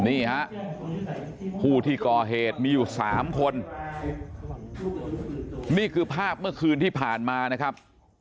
นี่ฮะผู้ที่ก่อเหตุมีอยู่๓คนนี่คือภาพเมื่อคืนที่ผ่านมานะครับ